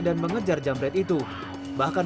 dan mengejar jambret itu bahkan